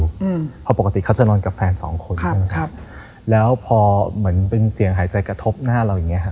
อืมเพราะปกติเขาจะนอนกับแฟนสองคนใช่ไหมครับแล้วพอเหมือนเป็นเสียงหายใจกระทบหน้าเราอย่างเงี้ฮะ